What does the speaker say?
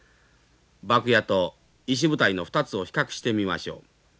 牧野と石舞台の２つを比較してみましょう。